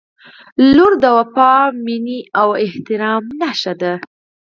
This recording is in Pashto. • لور د وفا، مینې او احترام نښه ده.